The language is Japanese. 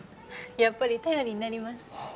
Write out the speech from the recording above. やっぱり頼りになります。